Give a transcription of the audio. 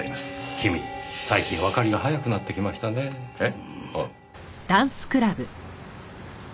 君最近わかりが早くなってきましたねぇ。